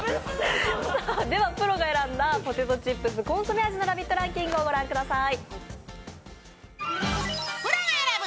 プロが選んだポテトチップスコンソメ味のランキングをご覧ください。